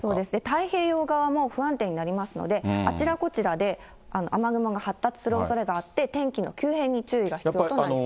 太平洋側も不安定になりますので、あちらこちらで雨雲が発達するおそれがあって、天気の急変に注意が必要となります。